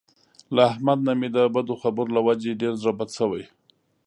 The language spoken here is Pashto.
له احمد نه مې د بدو خبر له وجې ډېر زړه بد شوی.